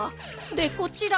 でこちらは？